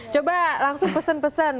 coba langsung pesen pesen